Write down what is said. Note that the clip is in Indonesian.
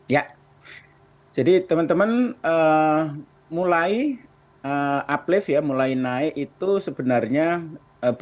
ya jadi teman teman mulai uplift ya mulai naik itu sebenarnya berbeda